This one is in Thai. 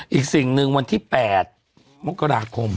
อีกสิ่งหนึ่งวันที่๘มกราคม